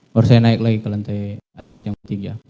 baru saya naik lagi ke lantai yang tiga